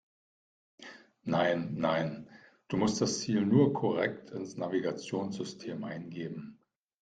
Nein, nein, du musst das Ziel nur korrekt ins Navigationssystem eingeben.